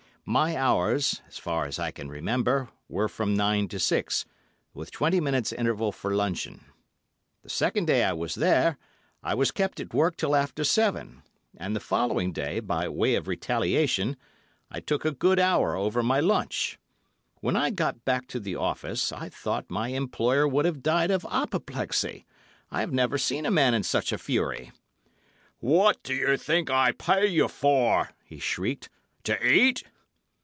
My hours, as far as I can remember, were from nine to six, with twenty minutes interval for luncheon. The second day I was there I was kept at work till after seven, and the following day, by way of retaliation, I took a good hour over my lunch. When I got back to the office, I thought my employer would have died of apoplexy. I have never seen a man in such a fury. "What do you think I pay you for?" he shrieked; "to eat?"